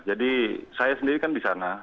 jadi saya sendiri kan di sana